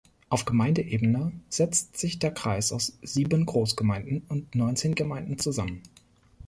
Auf Gemeindeebene setzt sich der Kreis aus sieben Großgemeinden und neunzehn Gemeinden zusammen.